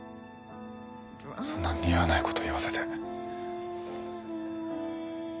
そんな似合わないこと言わせて。